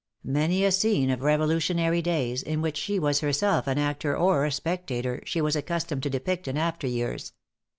Many a scene of Revolutionary days, in which she was herself an actor or a spectator, she was accustomed to depict in after years.